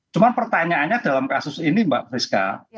cuma pertanyaannya dalam kasus ini mbak friska